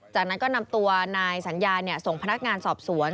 จากนั้นก็นำตัวนายสัญญาส่งพนักงานสอบสวน